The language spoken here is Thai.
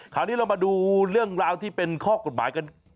คราวนี้เรามาดูเรื่องราวที่เป็นข้อกฎหมายกัน